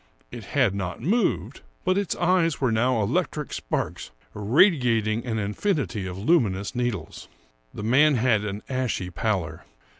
It had not moved, but its eyes were now electric sparks, radiating an infinity of luminous needles. The man had an ashy pallor.